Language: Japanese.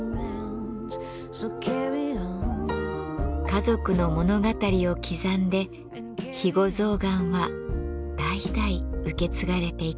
家族の物語を刻んで肥後象がんは代々受け継がれていきます。